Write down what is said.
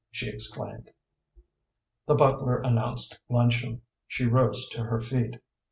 she exclaimed. The butler announced luncheon. She rose to her feet.